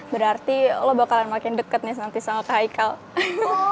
berarti lo bakalan makin deket nih nanti sama kak hikal